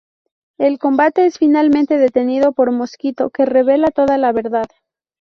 El combate es finalmente detenido por Mosquito, que revela toda la verdad.